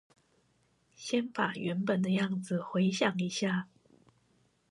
先把原本的樣子回想一下